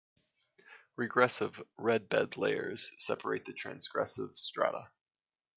Regressive, red bed layers separate the transgressive strata.